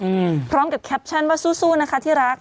พร้อมกับแคปชั่นว่าสู้สู้นะคะที่รัก